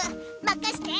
まかして。